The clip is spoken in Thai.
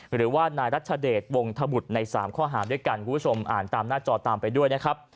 หรือว่านายรัชเดชวงธบุตรใน๓ข้อหาด้วยกันคุณผู้ชมอ่านตามหน้าจอตามไปด้วยนะครับ